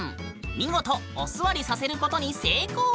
見事お座りさせることに成功。